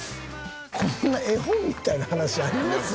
こんな絵本みたいな話あります？